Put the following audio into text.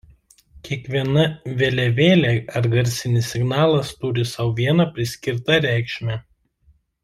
Kiekviena vėliavėlė ar garsinis signalas turi sau vieną priskirtą reikšmę.